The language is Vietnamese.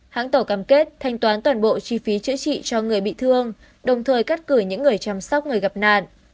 hãng tàu cam kết thanh toán toàn bộ chi phí chữa trị cho người bị thương đồng thời cắt cử những người chăm sóc người gặp nạn